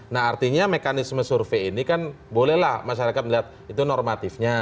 nah artinya mekanisme survei ini kan bolehlah masyarakat melihat itu normatifnya